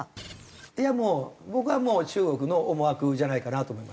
いやもう僕はもう中国の思惑じゃないかなと思います。